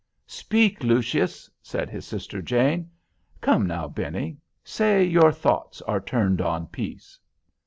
"Speak Lucius," said his sister Jane. "Come now, Benny—say 'your thoughts are turned on peace.